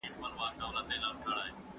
ياره څه سوي نه وي